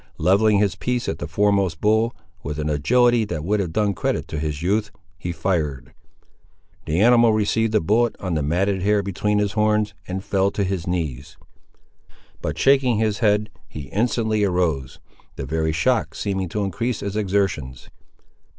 Levelling his piece at the foremost bull, with an agility that would have done credit to his youth, he fired. The animal received the bullet on the matted hair between his horns, and fell to his knees: but shaking his head he instantly arose, the very shock seeming to increase his exertions.